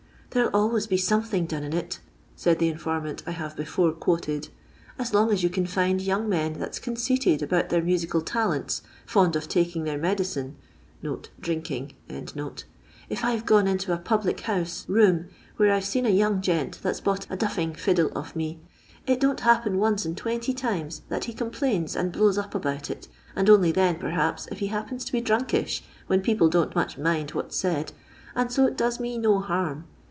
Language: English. " There *ll always be some thing done in it," said the informant I have before quoted, "as long as you can find young men Uiat 's conceited about their musical talents, fond of taking their medicine (drinking). If I've gone into a public house room where I 've seen a young gent that 's bought a duffing fiddle of me, it don't happen once in twenty times that he com plains and blows up about it, and only then, perhaps, if he happens to be drunkish, when people don't much mind what 's said, and so it does me no harm.